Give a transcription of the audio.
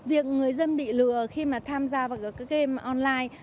việc người dân bị lừa khi mà tham gia vào các game online